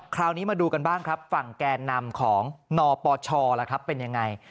คราวนี้มาดูกันบ้างครับฝั่งแกนนำของนปชล่ะครับเป็นยังไง